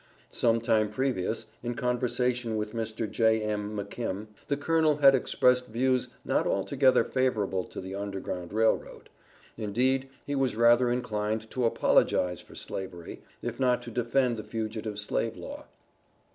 Some time previous, in conversation with Mr. J.M. McKim, the Colonel had expressed views not altogether favorable to the Underground Rail Road; indeed he was rather inclined to apologize for slavery, if not to defend the Fugitive Slave Law.